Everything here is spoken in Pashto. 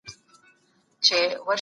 اسلام د خلګو ترمنځ د کرامت مساوات غواړي.